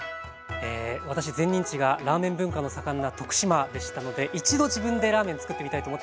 私前任地がラーメン文化の盛んな徳島でしたので一度自分でラーメンつくってみたいと思ってました。